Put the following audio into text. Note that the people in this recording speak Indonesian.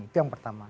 itu yang pertama